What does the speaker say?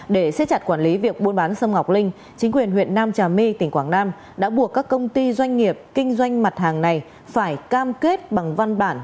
để xếp chặt quản lý việc buôn bán sâm ngọc linh chính quyền huyện nam trà my tỉnh quảng nam đã buộc các công ty doanh nghiệp kinh doanh mặt hàng này phải cam kết bằng văn bản